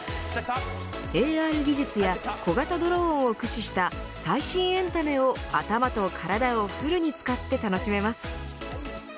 ＡＲ技術や小型ドローンを駆使した最新エンタメを、頭と体をフルに使って楽しめます。